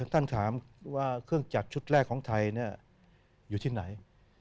ท่านถามว่าเครื่องจักรชุดแรกของไทยอยู่ที่ไหน